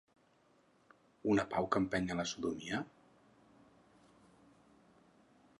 Una pau que empeny a la sodomia?